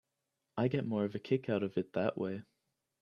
I get more of a kick out of it that way.